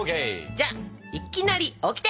じゃあ「いきなり」オキテ！